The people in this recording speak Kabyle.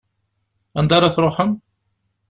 Anda ara tṛuḥem?